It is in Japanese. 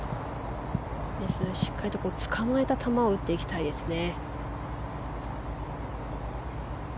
しっかり捕まえた球を打っていきたいですね。